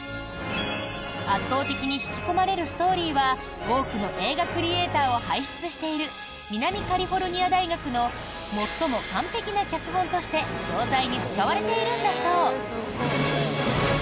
圧倒的に引き込まれるストーリーは多くの映画クリエーターを輩出している南カリフォルニア大学の最も完璧な脚本として教材に使われているんだそう。